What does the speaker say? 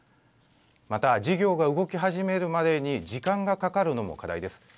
また事業が動き始めるまでに時間がかかるのも課題です。